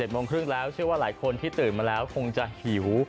โมงครึ่งแล้วเชื่อว่าหลายคนที่ตื่นมาแล้วคงจะหิว